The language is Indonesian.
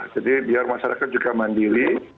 jadi biar masyarakat juga mandiri